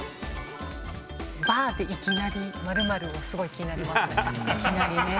「バーでいきなり○○」がすごい気になりますね。